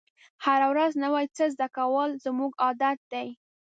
هره ورځ نوی څه زده کول زموږ عادت دی.